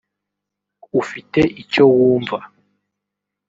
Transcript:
ufite icyo wumva